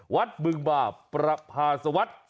วัดบึงบาประภาสวรรค์